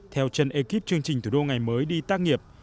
theo chân ekip chương trình thủ đô ngày mới đi tác nghiệp